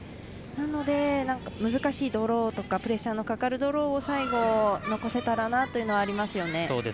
なので、難しいドローとかプレッシャーのかかるドローとかを最後、残せたらなというのはありますよね。